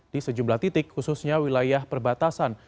di sejumlah titik khususnya wilayah perbatasan